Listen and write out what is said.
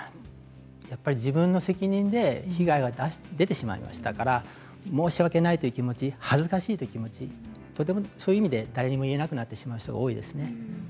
自分の責任で被害が出てしまいましたから申し訳ないという気持ち恥ずかしいという気持ちそれで誰にも言えなくなってしまう人が多いですね。